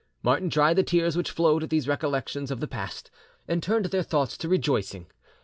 Martin dried the tears which flowed at these recollections of the past, and turned their thoughts to rejoicing.